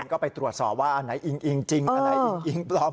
ก็ไปตรวจสอบว่าอันไหนอิงอิงจริงอันไหนอิงอิงปลอม